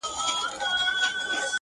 چې د علم موضوع هم ورته وایي